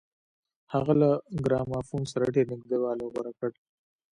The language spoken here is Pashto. هغه له ګرامافون سره ډېر نږدېوالی غوره کړ